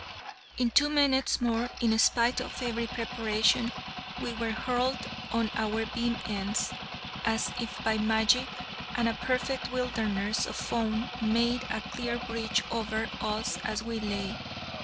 In two minutes more, in spite of every preparation, we were hurled on our beam ends, as if by magic, and a perfect wilderness of foam made a clear breach over us as we lay.